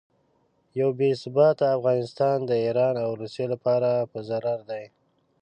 یو بې ثباته افغانستان د ایران او روسیې لپاره په ضرر دی.